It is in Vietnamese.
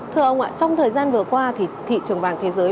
thưa ông ạ trong thời gian vừa qua thì thị trường vàng thế giới